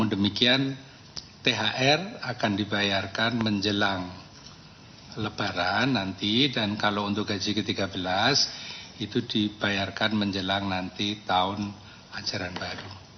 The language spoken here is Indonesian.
dan kalau untuk gaji ke tiga belas itu dibayarkan menjelang nanti tahun ajaran baru